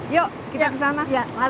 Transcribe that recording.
yuk kita kesana